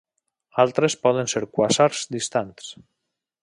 Altres poden ser quàsars distants.